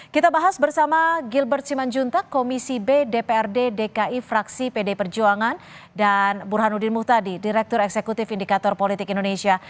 kita bahas bersama gilbert simanjuntak komisi b dprd dki fraksi pd perjuangan dan burhanuddin muhtadi direktur eksekutif indikator politik indonesia